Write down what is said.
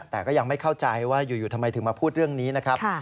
แต่ก็ยังไม่เข้าใจว่าอยู่ทำไมถึงมาพูดเรื่องนี้นะครับ